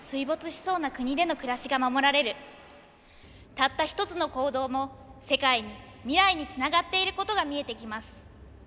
たった一つの行動も世界に未来につながっていることが見えてきます。